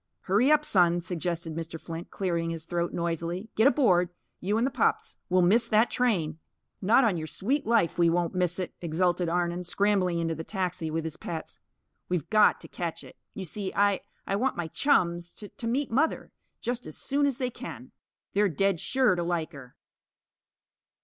"Hurry up, Son!" suggested Mr. Flint, clearing his throat noisily. "Get aboard you and the pups. We'll miss that train!" "Not on your sweet life, we won't miss it!" exulted Arnon, scrambling into the taxi with his pets. "We've got to catch it. You see, I I want my chums to to meet Mother; just as soon as they can. They're dead sure to like her."